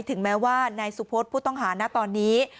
ถึงแม้ว่านายสุพศผู้ต้องหานะตอนนี้